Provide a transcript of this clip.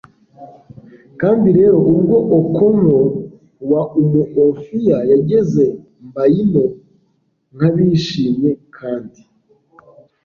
kandi rero ubwo okonkwo wa umuofia yageze i mbaino nkabishimye kandi